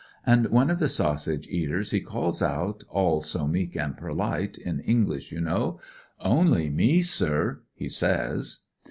And one of the sausage eaters he calls out, all so meek an' perUte, in English, you know: * Only me, sir,' he says.